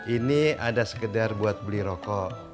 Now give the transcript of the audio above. ini ada sekedar buat beli rokok